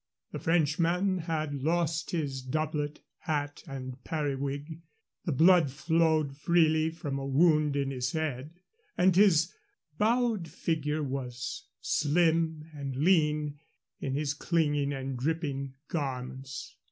The Frenchman had lost his doublet, hat, and periwig, the blood flowed freely from a wound in his head, and his bowed figure was slim and lean in his clinging and dripping garments.